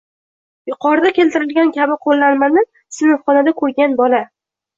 Yuqorida keltirilgani kabi qo‘llanmani sinfxonada ko‘rgan bola